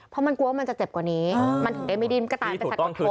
เพราะมันกลัวว่ามันจะเจ็บกว่านี้มันถึงได้ไม่ดิ้นก็ตายไปสัตว์กับเธอ